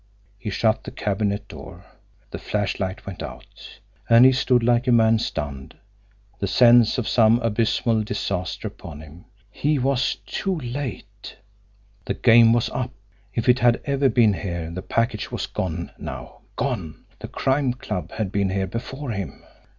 He shut the cabinet door; the flashlight went out; and he stood like a man stunned, the sense of some abysmal disaster upon him. He was too late! The game was up! If it had ever been here, the package was gone now GONE! The Crime Club had been here before him!